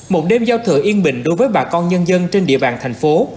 một đêm giao thừa yên bình đối với bà con nhân dân trên địa bàn thành phố